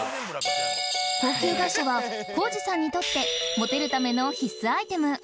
高級外車は皇治さんにとってモテるための必須アイテム